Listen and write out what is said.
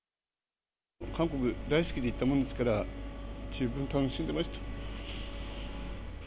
韓国大好きで行ったもんですから、十分楽しんでました。